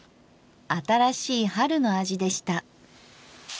新しい春の味でした。